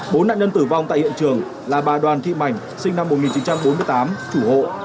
bốn nạn nhân tử vong tại hiện trường là bà đoàn thị mảnh sinh năm một nghìn chín trăm bốn mươi tám chủ hộ